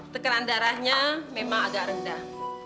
tekanan darahnya memang agak rendah